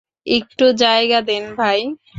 একটু জায়গা দেন, ভাই।